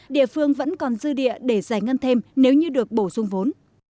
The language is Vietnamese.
địa phương vẫn còn dư địa để giải ngân thêm nếu như được bổ sung vốn